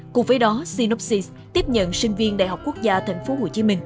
cùng với đó synopsis tiếp nhận sinh viên đại học quốc gia tp hcm